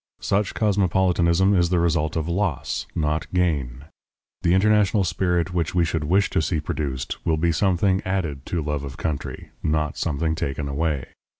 Such cosmopolitanism is the result of loss, not gain. The international spirit which we should wish to see produced will be something added to love of country, not something taken away.